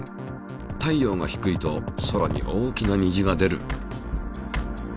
太陽が低いと空に大きな虹が出る。